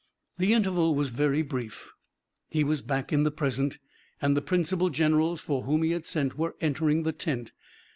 The interval was very brief. He was back in the present, and the principal generals for whom he had sent were entering the tent.